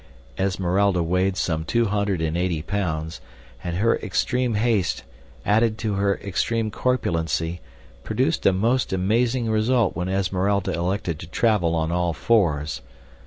Esmeralda weighed some two hundred and eighty pounds, and her extreme haste, added to her extreme corpulency, produced a most amazing result when Esmeralda elected to travel on all fours.